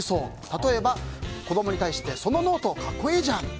例えば、子供に対してそのノート格好いいじゃん。